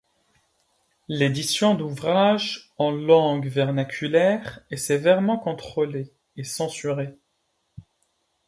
L'édition d'ouvrages en langue vernaculaire est sévèrement contrôlée et censurée.